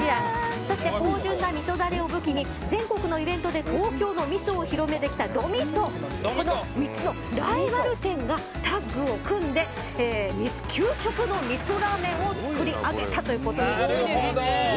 そして、芳醇な味噌ダレを武器に全国のイベントで東京の味噌を広めてきたど・みその３つのライバル店がタッグを組んで究極の味噌ラーメンを作り上げたということです。